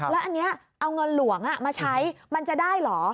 แล้วอันนี้เอาเงินหลวงมาใช้มันจะได้เหรอ